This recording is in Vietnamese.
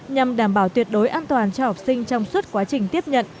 nhằm đảm bảo tuyệt đối an toàn cho học sinh trong suốt quá trình tiếp nhận